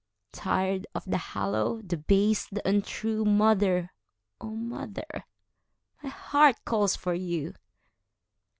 Tired of the hollow, the base, the untrue, Mother, O mother, my heart calls for you!